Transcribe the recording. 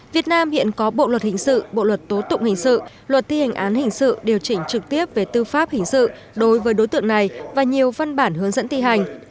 việt nam hiện có bộ luật hình sự bộ luật tố tụng hình sự luật thi hình án hình sự điều chỉnh trực tiếp về tư pháp hình sự đối với đối tượng này và nhiều văn bản hướng dẫn thi hành